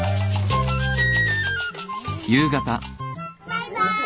バイバーイ。